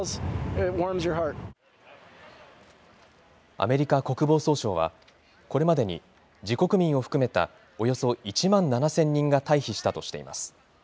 アメリカ国防総省は、これまでに自国民を含めたおよそ１万７０００人が退避したとしています。